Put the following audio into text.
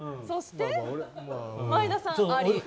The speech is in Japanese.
そして前田さん、あり。